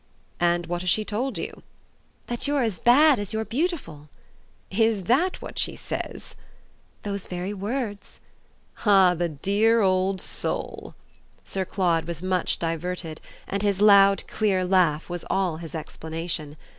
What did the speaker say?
"And what has she told you?" "That you're as bad as you're beautiful." "Is that what she says?" "Those very words." "Ah the dear old soul!" Sir Claude was much diverted, and his loud, clear laugh was all his explanation.